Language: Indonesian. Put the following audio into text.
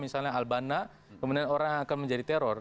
misalnya albana kemudian orang yang akan menjadi teror